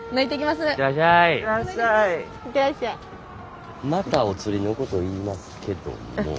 またお釣りのこと言いますけども。